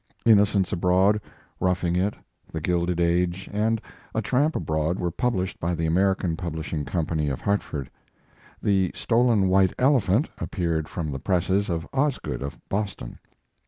"Innocents Abroad," "Roughing It," "The Gilded Age," and "A Tramp Abroad," were published by the American Publishing Company of Hartford. "The Stolen White Elephant" appeared from the presses of Osgood of Boston.